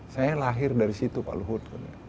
saya lahir dari situ pak luhut